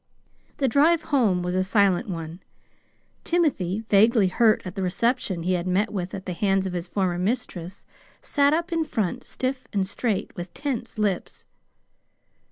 The drive home was a silent one. Timothy, vaguely hurt at the reception he had met with at the hands of his former mistress, sat up in front stiff and straight, with tense lips.